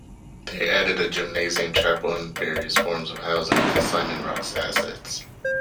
This added a gymnasium, chapel and various forms of housing to Simon's Rock's assets.